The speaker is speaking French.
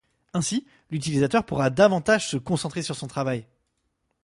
Ainsi, l’utilisateur pourra davantage se concentrer sur son travail.